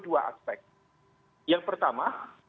dua aspek yang pertama